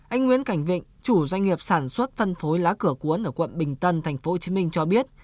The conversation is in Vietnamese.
anh nguyễn cảnh vịnh chủ doanh nghiệp sản xuất phân phối lá cửa cuốn ở quận bình tân tp hcm cho biết